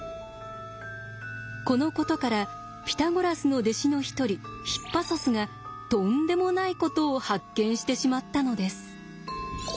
このことからピタゴラスの弟子の一人ヒッパソスがとんでもないことを発見してしまったのです。